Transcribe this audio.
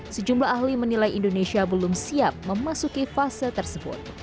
sejumlah ahli menilai indonesia belum siap memasuki fase tersebut